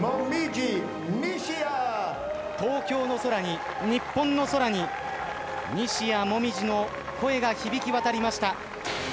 東京の空に、日本の空に、西矢椛の声が響き渡りました。